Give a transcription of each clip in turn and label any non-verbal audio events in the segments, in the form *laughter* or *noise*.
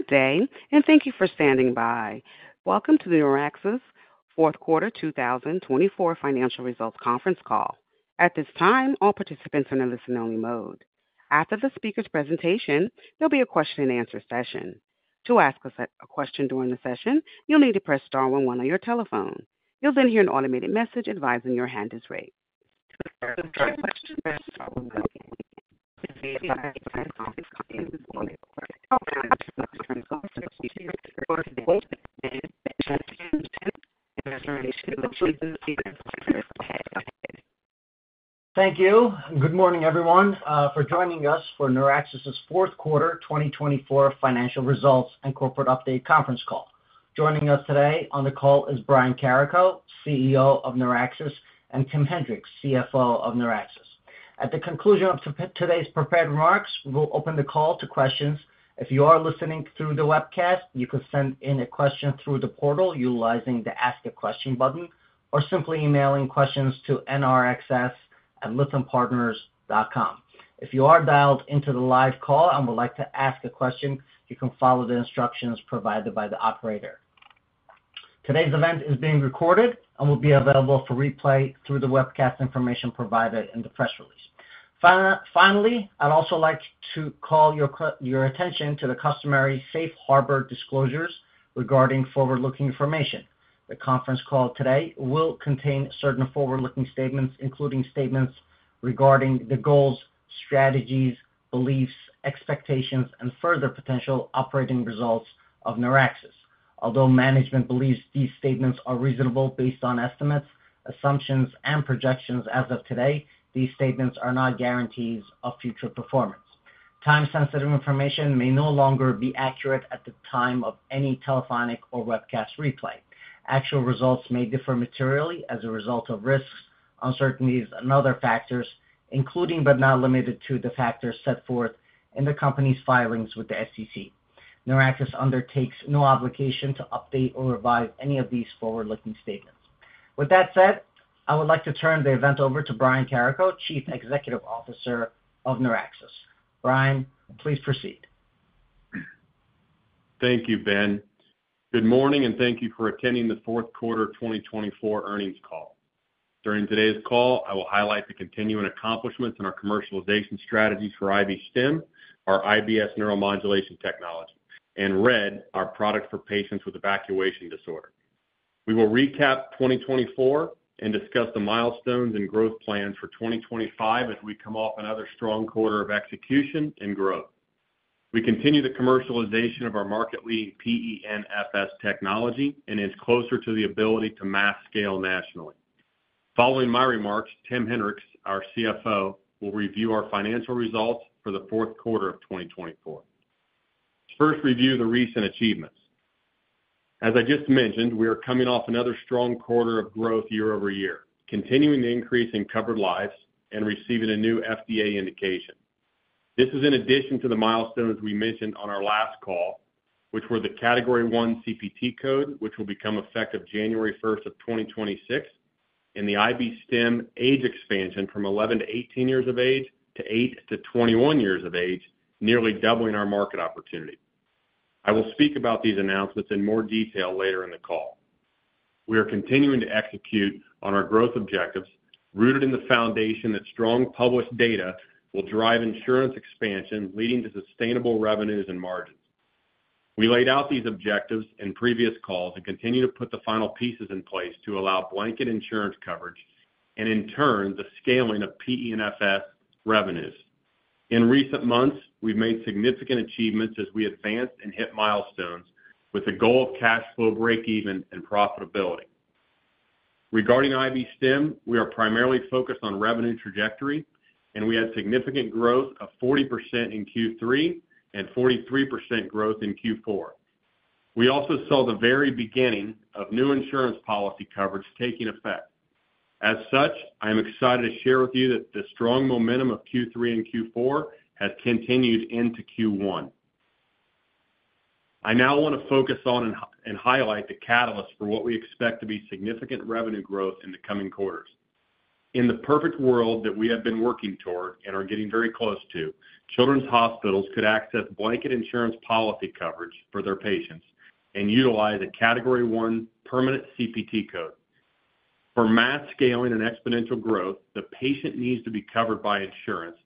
Good day, and thank you for standing by. Welcome to the NeurAxis Fourth Quarter 2024 Financial Results Conference Call. At this time, all participants are in a listen-only mode. After the speaker's presentation, there'll be a question-and-answer session. To ask a question during the session, you'll need to press star one one on your telephone. You'll then hear an automated message advising your hand is raised. *audio distortion* Thank you. Good morning, everyone, for joining us for NeurAxis' fourth quarter 2024 financial results and corporate update conference call. Joining us today on the call is Brian Carrico, CEO of NeurAxis, and Tim Henrichs, CFO of NeurAxis. At the conclusion of today's prepared remarks, we'll open the call to questions. If you are listening through the webcast, you could send in a question through the portal utilizing the Ask a Question button or simply emailing questions to nrxs@lythampartners.com. If you are dialed into the live call and would like to ask a question, you can follow the instructions provided by the operator. Today's event is being recorded and will be available for replay through the webcast information provided in the press release. Finally, I'd also like to call your attention to the customary Safe Harbor disclosures regarding forward-looking information. The conference call today will contain certain forward-looking statements, including statements regarding the goals, strategies, beliefs, expectations, and further potential operating results of NeurAxis. Although management believes these statements are reasonable based on estimates, assumptions, and projections as of today, these statements are not guarantees of future performance. Time-sensitive information may no longer be accurate at the time of any telephonic or webcast replay. Actual results may differ materially as a result of risks, uncertainties, and other factors, including but not limited to the factors set forth in the company's filings with the SEC. NeurAxis undertakes no obligation to update or revise any of these forward-looking statements. With that said, I would like to turn the event over to Brian Carrico, Chief Executive Officer of NeurAxis. Brian, please proceed. Thank you, Ben. Good morning, and thank you for attending the Fourth Quarter 2024 Earnings Call. During today's call, I will highlight the continuing accomplishments in our commercialization strategies for IB-Stim, our IBS neuromodulation technology, and RED, our product for patients with evacuation disorder. We will recap 2024 and discuss the milestones and growth plans for 2025 as we come off another strong quarter of execution and growth. We continue the commercialization of our market-leading PENFS technology and are closer to the ability to mass scale nationally. Following my remarks, Tim Henrichs, our CFO, will review our financial results for the Fourth Quarter of 2024. First, review the recent achievements. As I just mentioned, we are coming off another strong quarter of growth year over year, continuing to increase in covered lives and receiving a new FDA indication. This is in addition to the milestones we mentioned on our last call, which were the Category I CPT code, which will become effective January 1, 2026, and the IB-Stim age expansion from 11-18 years of age to 8-21 years of age, nearly doubling our market opportunity. I will speak about these announcements in more detail later in the call. We are continuing to execute on our growth objectives rooted in the foundation that strong published data will drive insurance expansion, leading to sustainable revenues and margins. We laid out these objectives in previous calls and continue to put the final pieces in place to allow blanket insurance coverage and, in turn, the scaling of PENFS revenues. In recent months, we've made significant achievements as we advanced and hit milestones with the goal of cash flow breakeven and profitability. Regarding IB-Stim, we are primarily focused on revenue trajectory, and we had significant growth of 40% in Q3 and 43% growth in Q4. We also saw the very beginning of new insurance policy coverage taking effect. As such, I am excited to share with you that the strong momentum of Q3 and Q4 has continued into Q1. I now want to focus on and highlight the catalyst for what we expect to be significant revenue growth in the coming quarters. In the perfect world that we have been working toward and are getting very close to, children's hospitals could access blanket insurance policy coverage for their patients and utilize a Category I permanent CPT code. For mass scaling and exponential growth, the patient needs to be covered by insurance,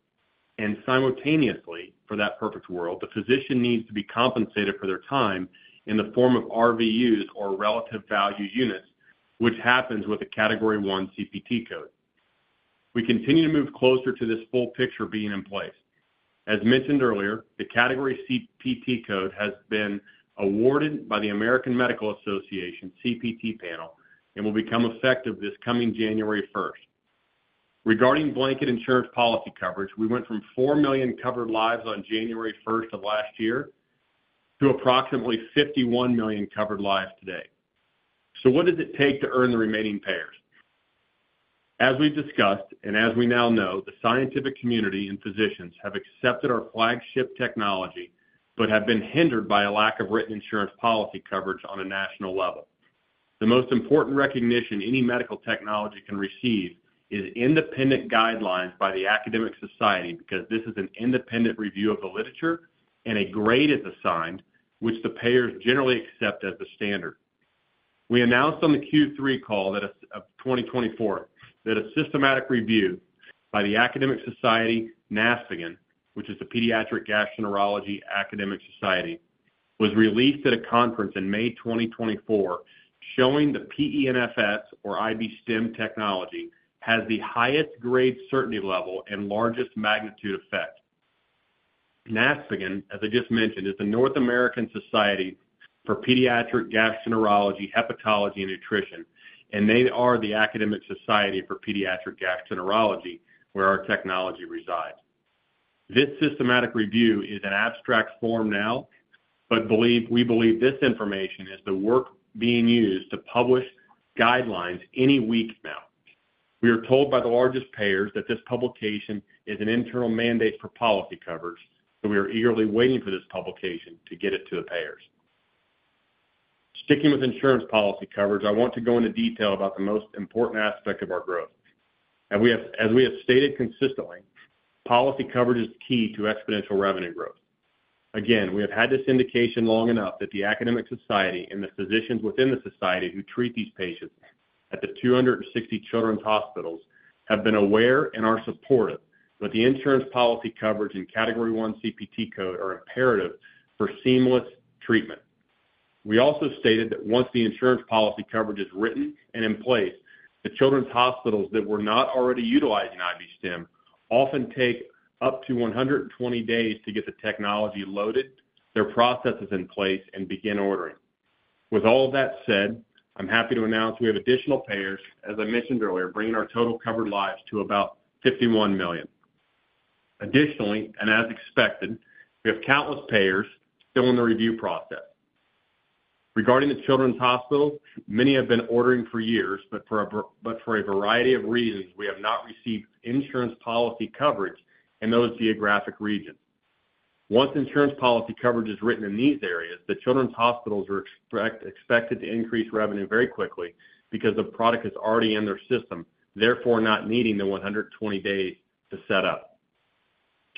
and simultaneously, for that perfect world, the physician needs to be compensated for their time in the form of RVUs or relative value units, which happens with a Category I CPT code. We continue to move closer to this full picture being in place. As mentioned earlier, the Category I CPT code has been awarded by the American Medical Association CPT panel and will become effective this coming January 1. Regarding blanket insurance policy coverage, we went from 4 million covered lives on January 1 of last year to approximately 51 million covered lives today. What does it take to earn the remaining payers? As we've discussed and as we now know, the scientific community and physicians have accepted our flagship technology but have been hindered by a lack of written insurance policy coverage on a national level. The most important recognition any medical technology can receive is independent guidelines by the academic society because this is an independent review of the literature and a grade is assigned, which the payers generally accept as the standard. We announced on the Q3 call of 2024 that a systematic review by the academic society, NASPGHAN, which is the Pediatric Gastroenterology Academic Society, was released at a conference in May 2024, showing the PENFS or IB-Stim technology has the highest grade certainty level and largest magnitude effect. NASPGHAN, as I just mentioned, is the North American Society for Pediatric Gastroenterology, Hepatology, and Nutrition, and they are the academic society for pediatric gastroenterology where our technology resides. This systematic review is in abstract form now, but we believe this information is the work being used to publish guidelines any week now. We are told by the largest payers that this publication is an internal mandate for policy coverage, so we are eagerly waiting for this publication to get it to the payers. Sticking with insurance policy coverage, I want to go into detail about the most important aspect of our growth. As we have stated consistently, policy coverage is key to exponential revenue growth. Again, we have had this indication long enough that the academic society and the physicians within the society who treat these patients at the 260 children's hospitals have been aware and are supportive that the insurance policy coverage and Category I CPT code are imperative for seamless treatment. We also stated that once the insurance policy coverage is written and in place, the children's hospitals that were not already utilizing IB-Stim often take up to 120 days to get the technology loaded, their processes in place, and begin ordering. With all of that said, I'm happy to announce we have additional payers, as I mentioned earlier, bringing our total covered lives to about 51 million. Additionally, and as expected, we have countless payers still in the review process. Regarding the children's hospitals, many have been ordering for years, but for a variety of reasons, we have not received insurance policy coverage in those geographic regions. Once insurance policy coverage is written in these areas, the children's hospitals are expected to increase revenue very quickly because the product is already in their system, therefore not needing the 120 days to set up.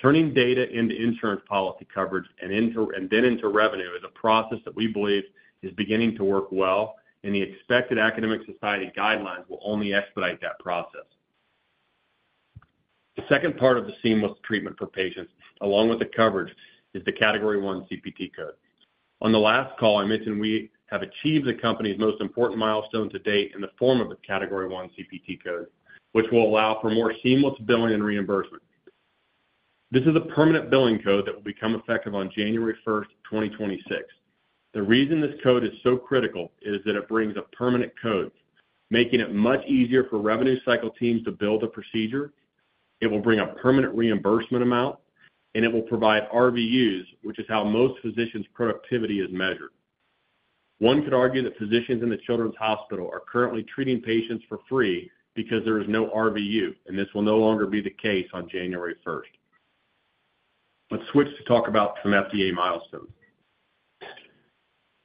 Turning data into insurance policy coverage and then into revenue is a process that we believe is beginning to work well, and the expected academic society guidelines will only expedite that process. The second part of the seamless treatment for patients, along with the coverage, is the Category I CPT code. On the last call, I mentioned we have achieved the company's most important milestone to date in the form of a Category I CPT code, which will allow for more seamless billing and reimbursement. This is a permanent billing code that will become effective on January 1, 2026. The reason this code is so critical is that it brings a permanent code, making it much easier for revenue cycle teams to bill the procedure. It will bring a permanent reimbursement amount, and it will provide RVUs, which is how most physicians' productivity is measured. One could argue that physicians in the children's hospital are currently treating patients for free because there is no RVU, and this will no longer be the case on January 1. Let's switch to talk about some FDA milestones.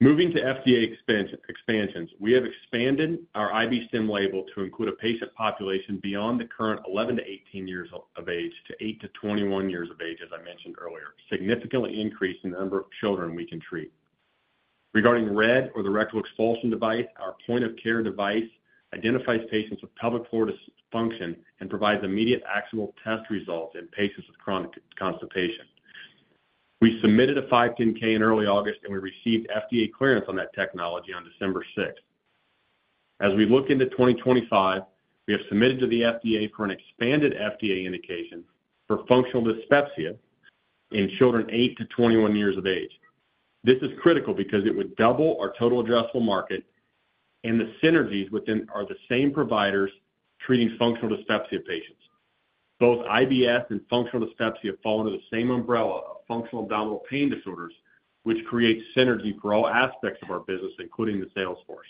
Moving to FDA expansions, we have expanded our IB-Stim label to include a patient population beyond the current 11 to 18 years of age to 8 to 21 years of age, as I mentioned earlier, significantly increasing the number of children we can treat. Regarding RED, or the Rectal Expulsion Device, our point-of-care device identifies patients with pelvic floor dysfunction and provides immediate actual test results in patients with chronic constipation. We submitted a 510(k) in early August, and we received FDA clearance on that technology on December 6. As we look into 2025, we have submitted to the FDA for an expanded FDA indication for functional dyspepsia in children 8 to 21 years of age. This is critical because it would double our total addressable market, and the synergies within are the same providers treating functional dyspepsia patients. Both IBS and functional dyspepsia fall under the same umbrella of functional abdominal pain disorders, which creates synergy for all aspects of our business, including the sales force.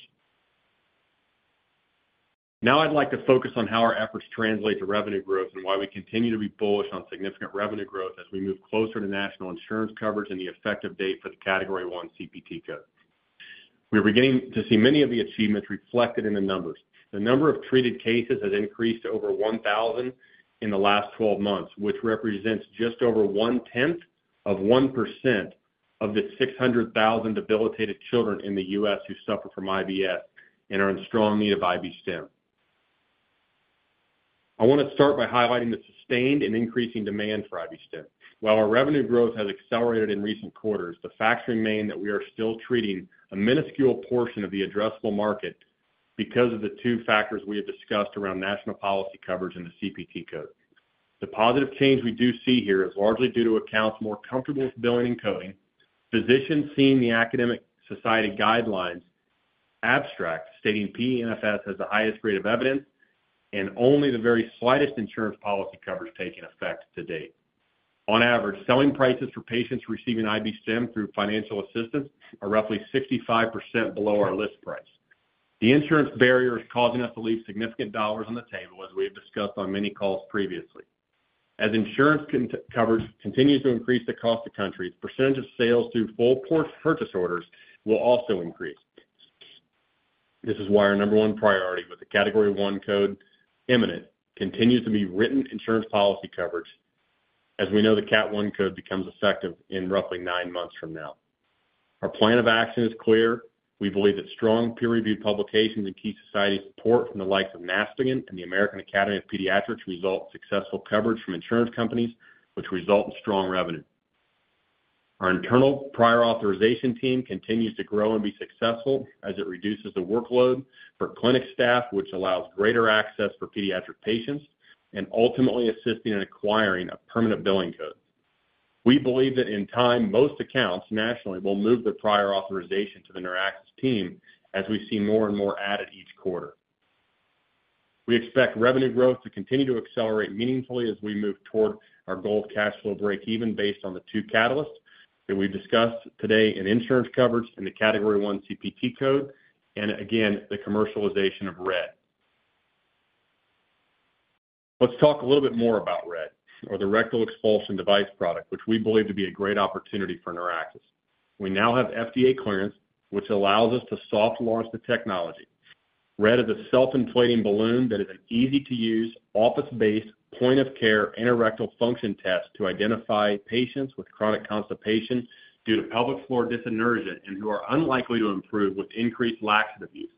Now I'd like to focus on how our efforts translate to revenue growth and why we continue to be bullish on significant revenue growth as we move closer to national insurance coverage and the effective date for the Category I CPT code. We are beginning to see many of the achievements reflected in the numbers. The number of treated cases has increased to over 1,000 in the last 12 months, which represents just over one-tenth of 1% of the 600,000 debilitated children in the U.S. who suffer from IBS and are in strong need of IB-Stim. I want to start by highlighting the sustained and increasing demand for IB-Stim. While our revenue growth has accelerated in recent quarters, the facts remain that we are still treating a minuscule portion of the addressable market because of the two factors we have discussed around national policy coverage and the CPT code. The positive change we do see here is largely due to accounts more comfortable with billing and coding, physicians seeing the academic society guidelines abstract, stating PENFS has the highest grade of evidence and only the very slightest insurance policy coverage taking effect to date. On average, selling prices for patients receiving IB-Stim through financial assistance are roughly 65% below our list price. The insurance barrier is causing us to leave significant dollars on the table, as we have discussed on many calls previously. As insurance coverage continues to increase across the country, the percentage of sales through full purchase orders will also increase. This is why our number one priority with the Category I CPT code imminent continues to be written insurance policy coverage, as we know the Category I CPT code becomes effective in roughly nine months from now. Our plan of action is clear. We believe that strong peer-reviewed publications and key society support from the likes of NASPGHAN and the American Academy of Pediatrics results in successful coverage from insurance companies, which results in strong revenue. Our internal prior authorization team continues to grow and be successful as it reduces the workload for clinic staff, which allows greater access for pediatric patients and ultimately assisting in acquiring a permanent billing code. We believe that in time, most accounts nationally will move their prior authorization to the NASPGHAN team as we see more and more added each quarter. We expect revenue growth to continue to accelerate meaningfully as we move toward our goal of cash flow breakeven based on the two catalysts that we discussed today in insurance coverage and the Category I CPT code and, again, the commercialization of RED. Let's talk a little bit more about RED, or the Rectal Expulsion Device product, which we believe to be a great opportunity for NASPGHAN. We now have FDA clearance, which allows us to soft launch the technology. RED is a self-inflating balloon that is an easy-to-use, office-based point-of-care anorectal function test to identify patients with chronic constipation due to pelvic floor dyssynergia and who are unlikely to improve with increased laxative use.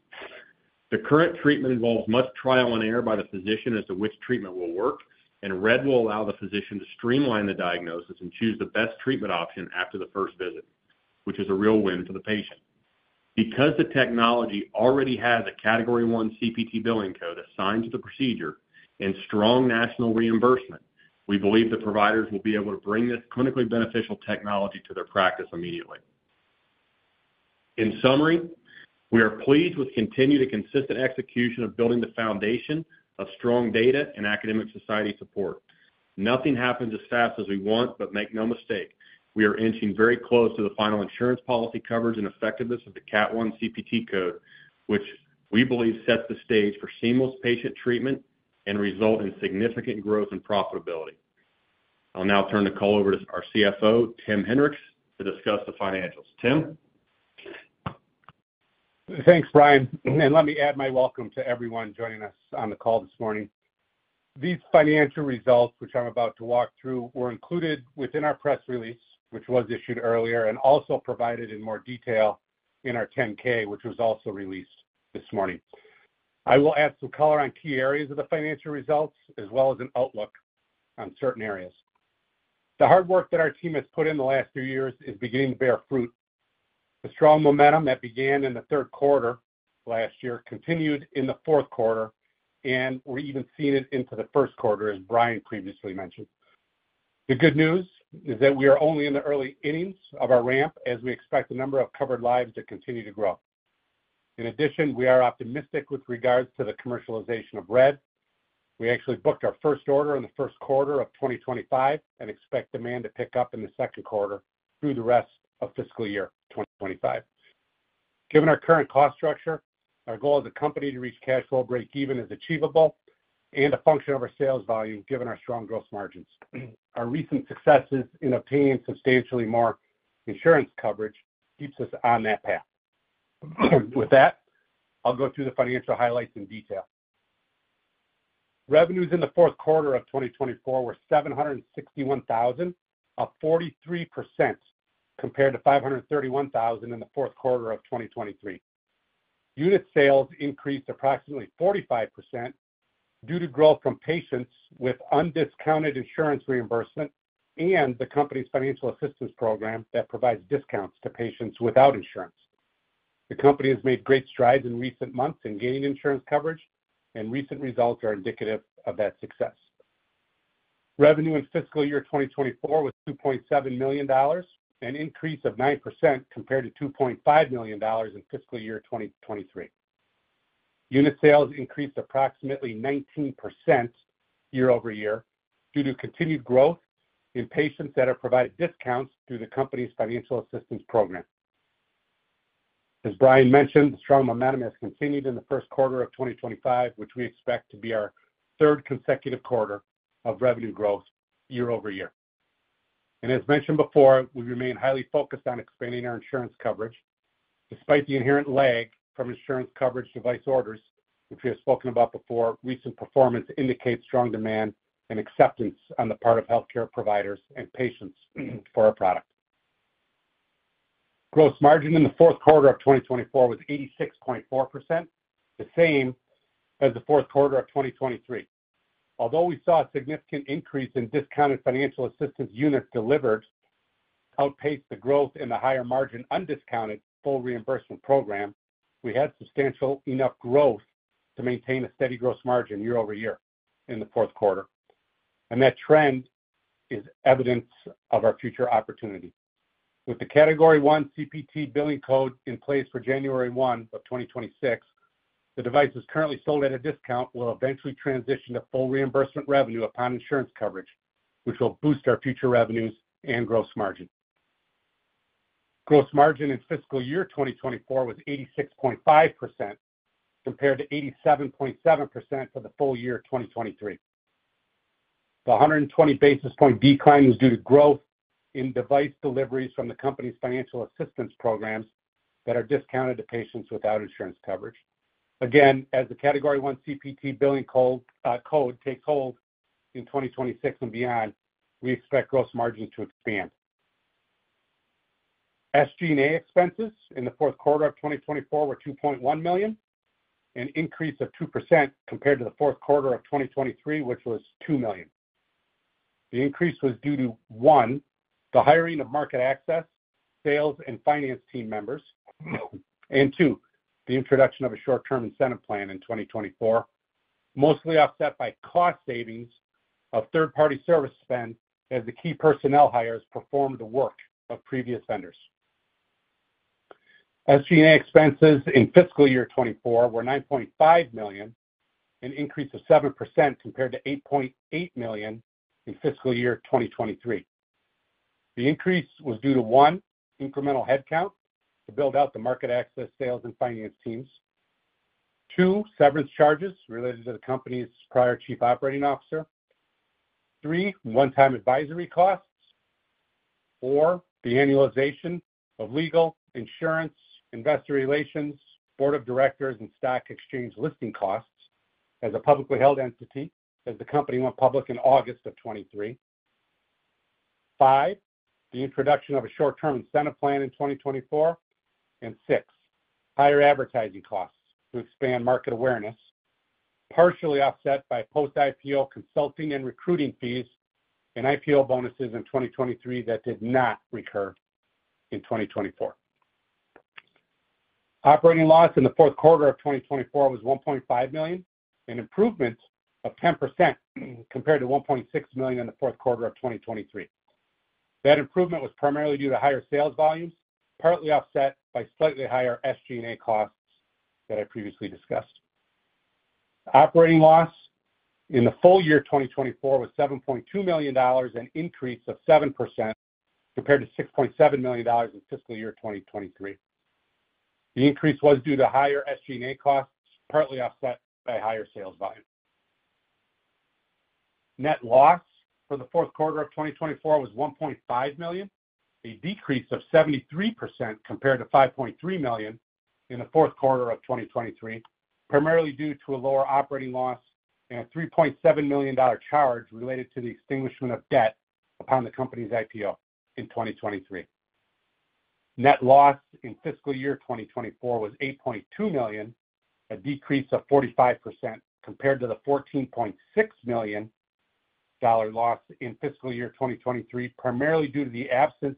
The current treatment involves much trial and error by the physician as to which treatment will work, and RED will allow the physician to streamline the diagnosis and choose the best treatment option after the first visit, which is a real win for the patient. Because the technology already has a Category I CPT billing code assigned to the procedure and strong national reimbursement, we believe the providers will be able to bring this clinically beneficial technology to their practice immediately. In summary, we are pleased with continued and consistent execution of building the foundation of strong data and academic society support. Nothing happens as fast as we want, but make no mistake, we are inching very close to the final insurance policy coverage and effectiveness of the Category I CPT code, which we believe sets the stage for seamless patient treatment and results in significant growth and profitability. I'll now turn the call over to our CFO, Tim Henrichs, to discuss the financials. Tim? Thanks, Brian. Let me add my welcome to everyone joining us on the call this morning. These financial results, which I'm about to walk through, were included within our press release, which was issued earlier, and also provided in more detail in our 10-K, which was also released this morning. I will add some color on key areas of the financial results, as well as an outlook on certain areas. The hard work that our team has put in the last few years is beginning to bear fruit. The strong momentum that began in the third quarter last year continued in the fourth quarter, and we're even seeing it into the first quarter, as Brian previously mentioned. The good news is that we are only in the early innings of our ramp as we expect the number of covered lives to continue to grow. In addition, we are optimistic with regards to the commercialization of RED. We actually booked our first order in the first quarter of 2025 and expect demand to pick up in the second quarter through the rest of fiscal year 2025. Given our current cost structure, our goal as a company to reach cash flow breakeven is achievable and a function of our sales volume given our strong gross margins. Our recent successes in obtaining substantially more insurance coverage keeps us on that path. With that, I'll go through the financial highlights in detail. Revenues in the fourth quarter of 2024 were $761,000, up 43% compared to $531,000 in the fourth quarter of 2023. Unit sales increased approximately 45% due to growth from patients with undiscounted insurance reimbursement and the company's financial assistance program that provides discounts to patients without insurance. The company has made great strides in recent months in gaining insurance coverage, and recent results are indicative of that success. Revenue in fiscal year 2024 was $2.7 million, an increase of 9% compared to $2.5 million in fiscal year 2023. Unit sales increased approximately 19% year over year due to continued growth in patients that are provided discounts through the company's financial assistance program. As Brian mentioned, the strong momentum has continued in the first quarter of 2025, which we expect to be our third consecutive quarter of revenue growth year over year. As mentioned before, we remain highly focused on expanding our insurance coverage. Despite the inherent lag from insurance coverage device orders, which we have spoken about before, recent performance indicates strong demand and acceptance on the part of healthcare providers and patients for our product. Gross margin in the fourth quarter of 2024 was 86.4%, the same as the fourth quarter of 2023. Although we saw a significant increase in discounted financial assistance units delivered outpaced the growth in the higher margin undiscounted full reimbursement program, we had substantial enough growth to maintain a steady gross margin year over year in the fourth quarter. That trend is evidence of our future opportunity. With the Category I CPT billing code in place for January 1 of 2026, the devices currently sold at a discount will eventually transition to full reimbursement revenue upon insurance coverage, which will boost our future revenues and gross margin. Gross margin in fiscal year 2024 was 86.5% compared to 87.7% for the full year 2023. The 120 basis point decline was due to growth in device deliveries from the company's financial assistance programs that are discounted to patients without insurance coverage. Again, as the Category I CPT billing code takes hold in 2026 and beyond, we expect gross margin to expand. SG&A expenses in the fourth quarter of 2024 were $2.1 million, an increase of 2% compared to the fourth quarter of 2023, which was $2 million. The increase was due to, one, the hiring of market access, sales, and finance team members, and, two, the introduction of a short-term incentive plan in 2024, mostly offset by cost savings of third-party service spend as the key personnel hires performed the work of previous vendors. SG&A expenses in fiscal year 2024 were $9.5 million, an increase of 7% compared to $8.8 million in fiscal year 2023. The increase was due to, one, incremental headcount to build out the market access, sales, and finance teams; two, severance charges related to the company's prior Chief Operating Officer; three, one-time advisory costs; four, the annualization of legal, insurance, investor relations, board of directors, and stock exchange listing costs as a publicly held entity as the company went public in August of 2023; five, the introduction of a short-term incentive plan in 2024; and six, higher advertising costs to expand market awareness, partially offset by post-IPO consulting and recruiting fees and IPO bonuses in 2023 that did not recur in 2024. Operating loss in the fourth quarter of 2024 was $1.5 million, an improvement of 10% compared to $1.6 million in the fourth quarter of 2023. That improvement was primarily due to higher sales volumes, partly offset by slightly higher SG&A costs that I previously discussed. Operating loss in the full year 2024 was $7.2 million and an increase of 7% compared to $6.7 million in fiscal year 2023. The increase was due to higher SG&A costs, partly offset by higher sales volume. Net loss for the fourth quarter of 2024 was $1.5 million, a decrease of 73% compared to $5.3 million in the fourth quarter of 2023, primarily due to a lower operating loss and a $3.7 million charge related to the extinguishment of debt upon the company's IPO in 2023. Net loss in fiscal year 2024 was $8.2 million, a decrease of 45% compared to the $14.6 million loss in fiscal year 2023, primarily due to the absence of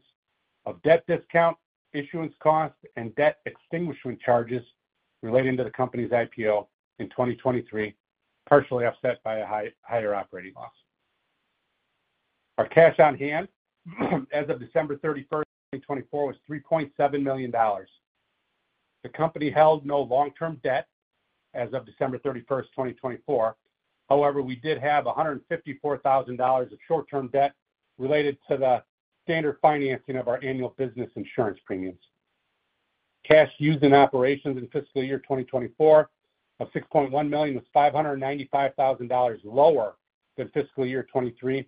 debt discount, issuance costs, and debt extinguishment charges relating to the company's IPO in 2023, partially offset by a higher operating loss. Our cash on hand as of December 31, 2024, was $3.7 million. The company held no long-term debt as of December 31, 2024. However, we did have $154,000 of short-term debt related to the standard financing of our annual business insurance premiums. Cash used in operations in fiscal year 2024 of $6.1 million was $595,000 lower than fiscal year 2023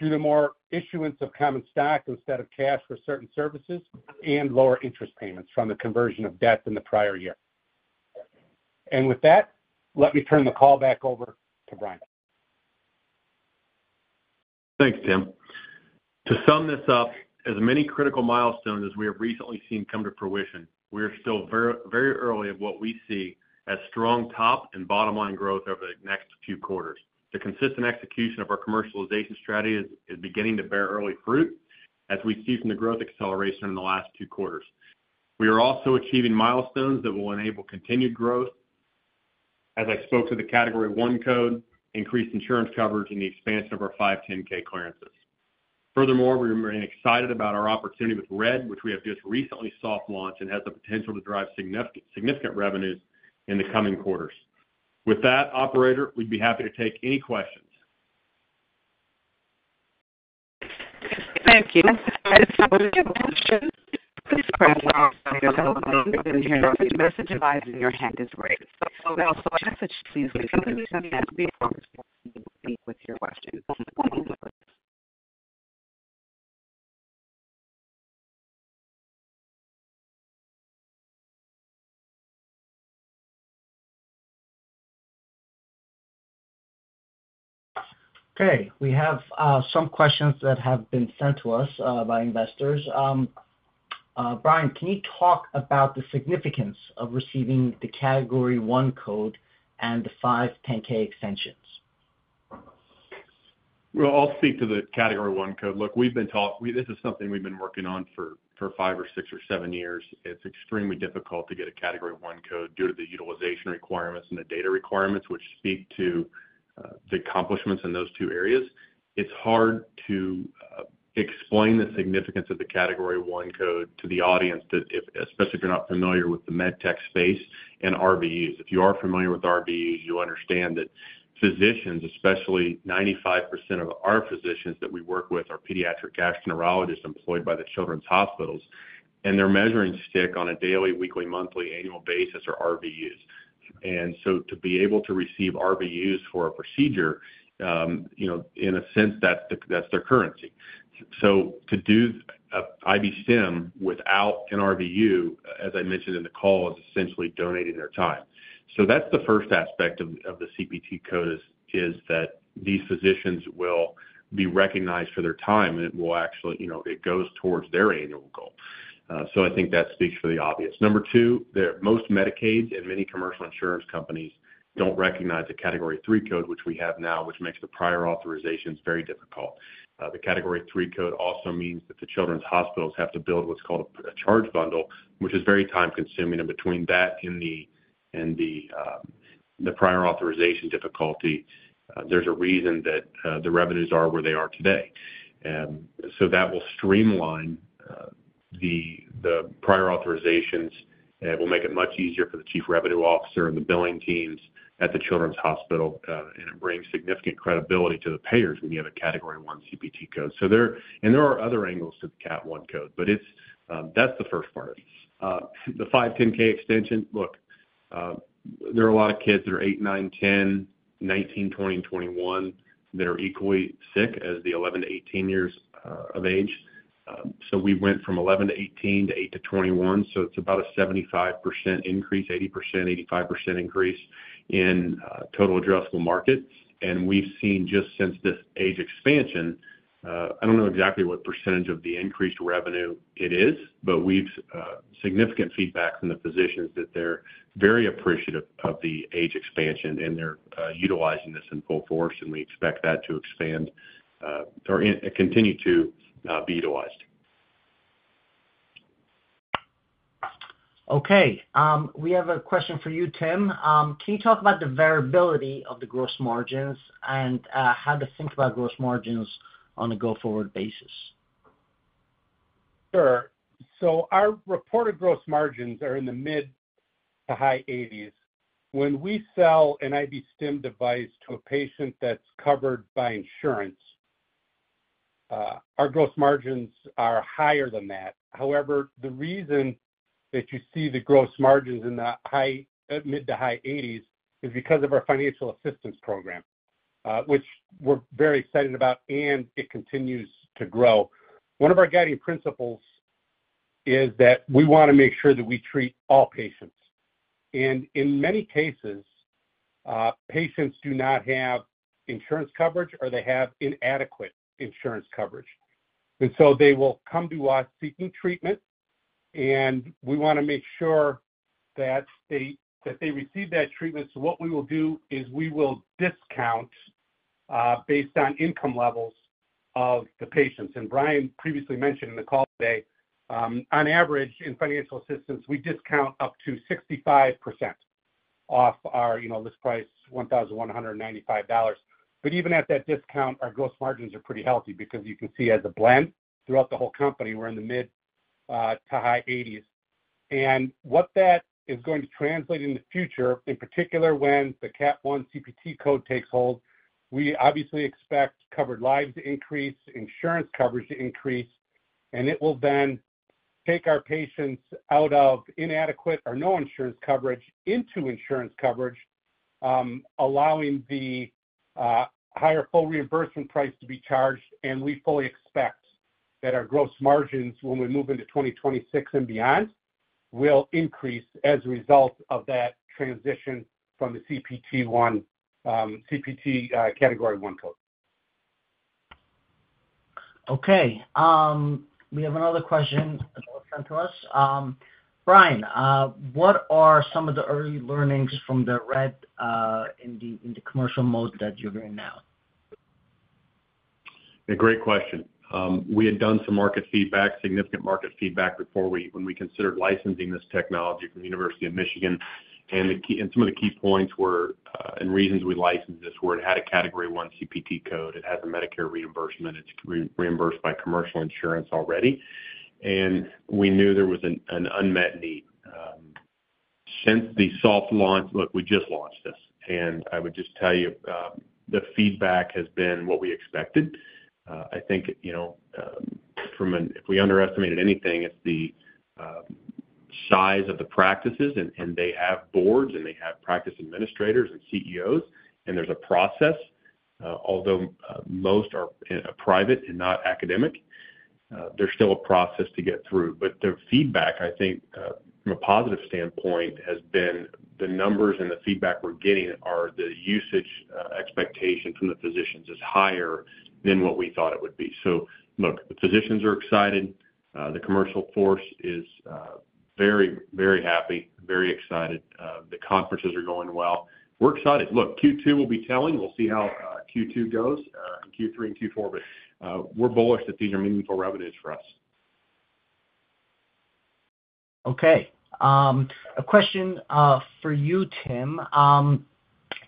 due to more issuance of common stock instead of cash for certain services and lower interest payments from the conversion of debt in the prior year. With that, let me turn the call back over to Brian. Thanks, Tim. To sum this up, as many critical milestones as we have recently seen come to fruition, we are still very early at what we see as strong top and bottom line growth over the next few quarters. The consistent execution of our commercialization strategy is beginning to bear early fruit, as we see from the growth acceleration in the last two quarters. We are also achieving milestones that will enable continued growth, as I spoke to the Category I code, increased insurance coverage, and the expansion of our 510(k) clearances. Furthermore, we remain excited about our opportunity with RED, which we have just recently soft launched and has the potential to drive significant revenues in the coming quarters. With that, Operator, we'd be happy to take any questions. Thank you. I have a question. Please press the button. The message device in your hand is ready. Please press the button as before. Okay. We have some questions that have been sent to us by investors. Brian, can you talk about the significance of receiving the Category I code and the 510(k) extensions? I will speak to the Category I code. Look, we've been talking—this is something we've been working on for five or six or seven years. It's extremely difficult to get a Category I CPT code due to the utilization requirements and the data requirements, which speak to the accomplishments in those two areas. It's hard to explain the significance of the Category I CPT code to the audience, especially if you're not familiar with the med tech space and RVUs. If you are familiar with RVUs, you understand that physicians, especially 95% of our physicians that we work with, are pediatric gastroenterologists employed by the children's hospitals, and their measuring stick on a daily, weekly, monthly, annual basis are RVUs. To be able to receive RVUs for a procedure, in a sense, that's their currency. To do IB-Stim without an RVU, as I mentioned in the call, is essentially donating their time. That's the first aspect of the CPT code, is that these physicians will be recognized for their time, and it will actually—it goes towards their annual goal. I think that speaks for the obvious. Number two, most Medicaid and many commercial insurance companies don't recognize the Category III code, which we have now, which makes the prior authorizations very difficult. The Category III code also means that the children's hospitals have to build what's called a charge bundle, which is very time-consuming. Between that and the prior authorization difficulty, there's a reason that the revenues are where they are today. That will streamline the prior authorizations and will make it much easier for the Chief Revenue Officer and the billing teams at the children's hospital, and it brings significant credibility to the payers when you have a Category I CPT code. There are other angles to the Cat I code, but that's the first part of it. The 510(k) extension, look, there are a lot of kids that are 8, 9, 10, 19, 20, and 21 that are equally sick as the 11 to 18 years of age. We went from 11 to 18 to 8 to 21. It is about a 75%-80%, 85% increase in total addressable market. We have seen just since this age expansion—I do not know exactly what percentage of the increased revenue it is, but we have had significant feedback from the physicians that they are very appreciative of the age expansion, and they are utilizing this in full force, and we expect that to expand or continue to be utilized. Okay. We have a question for you, Tim. Can you talk about the variability of the gross margins and how to think about gross margins on a go-forward basis? Sure. Our reported gross margins are in the mid to high 80s. When we sell an IB-Stim device to a patient that's covered by insurance, our gross margins are higher than that. The reason that you see the gross margins in the mid to high 80s is because of our financial assistance program, which we're very excited about, and it continues to grow. One of our guiding principles is that we want to make sure that we treat all patients. In many cases, patients do not have insurance coverage or they have inadequate insurance coverage. They will come to us seeking treatment, and we want to make sure that they receive that treatment. What we will do is we will discount based on income levels of the patients. Brian previously mentioned in the call today, on average, in financial assistance, we discount up to 65% off our list price, $1,195. Even at that discount, our gross margins are pretty healthy because you can see as a blend throughout the whole company, we're in the mid to high 80s. What that is going to translate in the future, in particular when the Category I CPT code takes hold, we obviously expect covered lives to increase, insurance coverage to increase, and it will then take our patients out of inadequate or no insurance coverage into insurance coverage, allowing the higher full reimbursement price to be charged. We fully expect that our gross margins, when we move into 2026 and beyond, will increase as a result of that transition from the Category I CPT code. Okay. We have another question that was sent to us. Brian, what are some of the early learnings from the RED in the commercial mode that you're in now? A great question. We had done some market feedback, significant market feedback, before we considered licensing this technology from the University of Michigan. Some of the key points and reasons we licensed this were it had a Category I CPT code. It has a Medicare reimbursement. It's reimbursed by commercial insurance already. We knew there was an unmet need. Since the soft launch, look, we just launched this. I would just tell you the feedback has been what we expected. I think from an—if we underestimated anything, it's the size of the practices. They have boards, and they have practice administrators and CEOs. There's a process. Although most are private and not academic, there's still a process to get through. The feedback, I think, from a positive standpoint, has been the numbers and the feedback we're getting are the usage expectation from the physicians is higher than what we thought it would be. Look, the physicians are excited. The commercial force is very, very happy, very excited. The conferences are going well. We're excited. Q2 will be telling. We'll see how Q2 goes, Q3 and Q4. We're bullish that these are meaningful revenues for us. Okay. A question for you, Tim.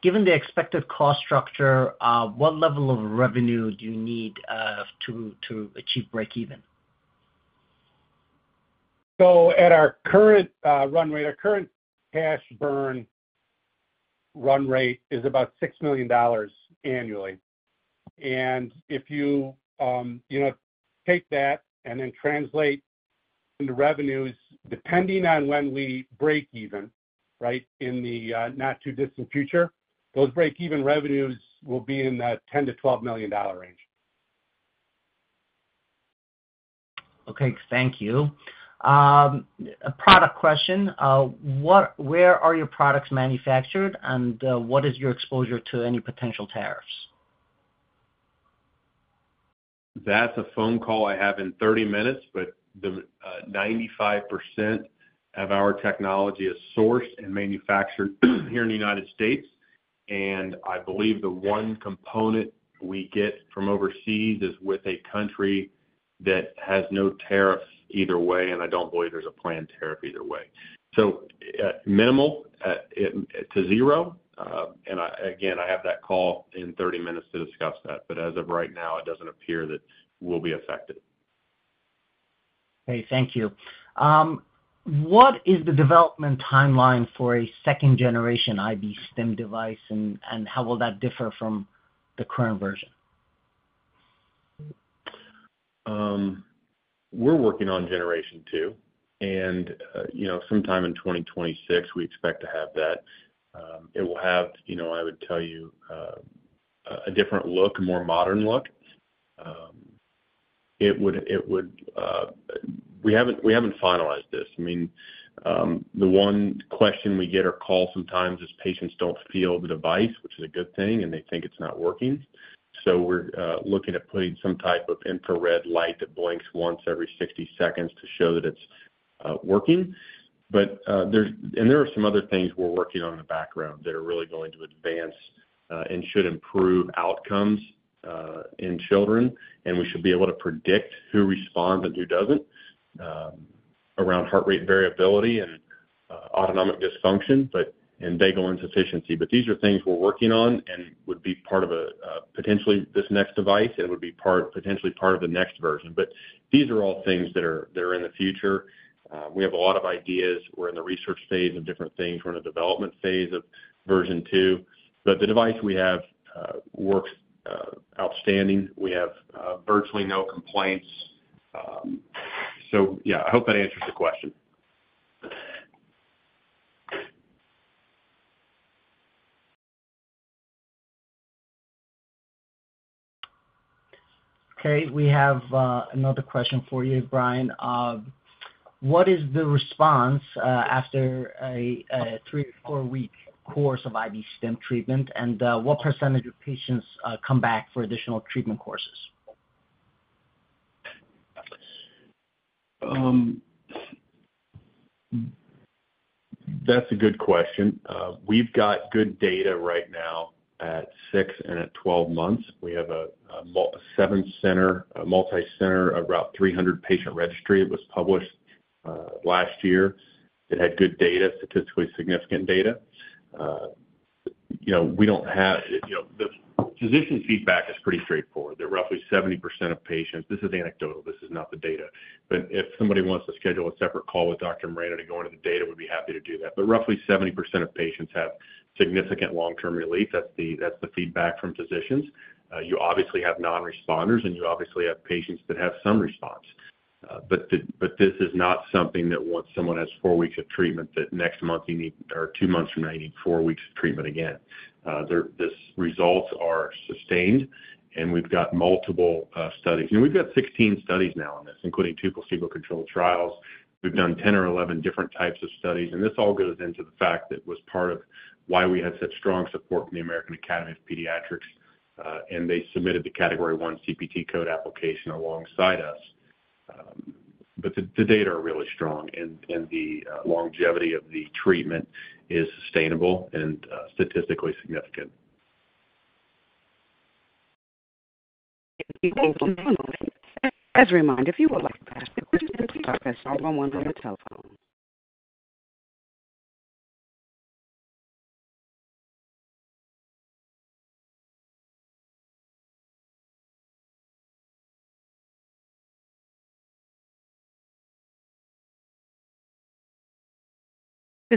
Given the expected cost structure, what level of revenue do you need to achieve break-even? At our current run rate, our current cash burn run rate is about $6 million annually. If you take that and then translate into revenues, depending on when we break even, right, in the not-too-distant future, those break-even revenues will be in the $10-$12 million range. Okay. Thank you. A product question. Where are your products manufactured, and what is your exposure to any potential tariffs? That's a phone call I have in 30 minutes, but 95% of our technology is sourced and manufactured here in the United States. I believe the one component we get from overseas is with a country that has no tariffs either way, and I do not believe there is a planned tariff either way. Minimal to zero. Again, I have that call in 30 minutes to discuss that. As of right now, it doesn't appear that we'll be affected. Okay. Thank you. What is the development timeline for a second-generation IB-Stim device, and how will that differ from the current version? We're working on generation two. Sometime in 2026, we expect to have that. It will have, I would tell you, a different look, a more modern look. We haven't finalized this. I mean, the one question we get or call sometimes is patients don't feel the device, which is a good thing, and they think it's not working. We're looking at putting some type of infrared light that blinks once every 60 seconds to show that it's working. There are some other things we're working on in the background that are really going to advance and should improve outcomes in children. We should be able to predict who responds and who does not around heart rate variability and autonomic dysfunction and vagal insufficiency. These are things we are working on and would be part of potentially this next device, and it would be potentially part of the next version. These are all things that are in the future. We have a lot of ideas. We are in the research phase of different things. We are in the development phase of version two. The device we have works outstanding. We have virtually no complaints. I hope that answers the question. Okay. We have another question for you, Brian. What is the response after a three- to four-week course of IB-Stim treatment, and what percentage of patients come back for additional treatment courses? That is a good question. We have good data right now at 6 and at 12 months. We have a seven-center, multi-center, about 300 patient registry. It was published last year. It had good data, statistically significant data. We don't have—the physician feedback is pretty straightforward. They're roughly 70% of patients—this is anecdotal. This is not the data. If somebody wants to schedule a separate call with Dr. Miranda to go into the data, we'd be happy to do that. Roughly 70% of patients have significant long-term relief. That's the feedback from physicians. You obviously have non-responders, and you obviously have patients that have some response. This is not something that once someone has four weeks of treatment, that next month you need, or two months from now, you need four weeks of treatment again. These results are sustained, and we've got multiple studies. We've got 16 studies now on this, including two placebo-controlled trials. We've done 10 or 11 different types of studies. This all goes into the fact that was part of why we had such strong support from the American Academy of Pediatrics. They submitted the Category I CPT code application alongside us. The data are really strong, and the longevity of the treatment is sustainable and statistically significant. Thank you. As a reminder, if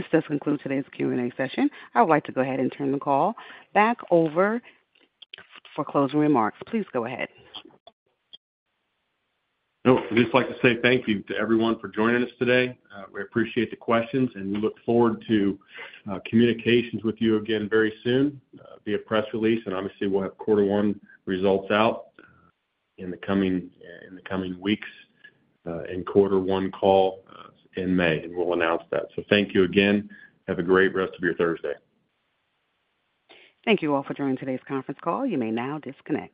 you would like to pass, please press one on one via telephone. This does conclude today's Q&A session. I would like to go ahead and turn the call back over for closing remarks. Please go ahead. No, I'd just like to say thank you to everyone for joining us today. We appreciate the questions, and we look forward to communications with you again very soon via press release. Obviously, we'll have quarter one results out in the coming weeks and quarter one call in May, and we'll announce that. Thank you again. Have a great rest of your Thursday. Thank you all for joining today's conference call. You may now disconnect.